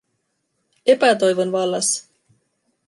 Epätoivon vallassa.